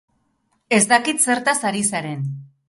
Ez dakit zertaz ari zaren.